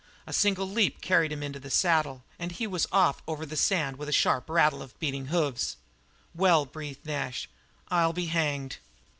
A single leap carried him into his saddle and he was off over the sand with a sharp rattle of the beating hoofs. "Well," breathed Nash, "I'll be hanged."